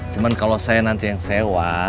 cuma kalau saya nanti yang sewa